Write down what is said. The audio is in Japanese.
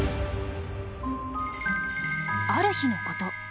ある日のこと。